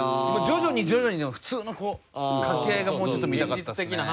徐々に徐々にの普通の掛け合いがもうちょっと見たかったですね。